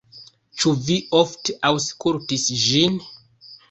Ĉu vi ofte aŭskultis ĝin?